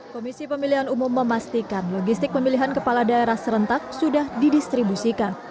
komisi pemilihan umum memastikan logistik pemilihan kepala daerah serentak sudah didistribusikan